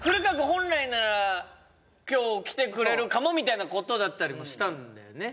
本来なら今日来てくれるかもみたいなことだったりもしたんだよね？